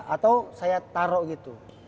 atau saya taro gitu